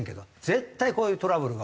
絶対こういうトラブルが起きます。